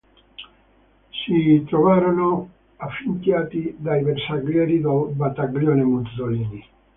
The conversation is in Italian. Si trovarono affiancati dai bersaglieri del Battaglione Mussolini.